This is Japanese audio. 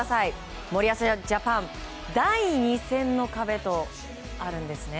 森保ジャパン第２戦の壁とあるんです。